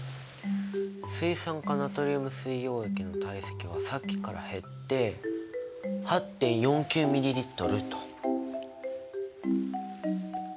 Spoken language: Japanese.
水酸化ナトリウム水溶液の体積はさっきから減って８．４９ｍＬと。